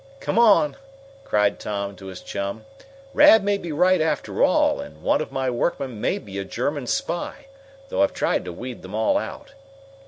"Come on!" cried Tom to his chum. "Rad may be right, after all, and one of my workmen may be a German spy, though I've tried to weed them all out.